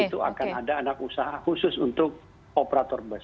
itu akan ada anak usaha khusus untuk operator bus